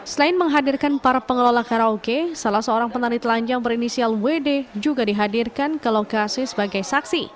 selain menghadirkan para pengelola karaoke salah seorang penari telanjang berinisial wd juga dihadirkan ke lokasi sebagai saksi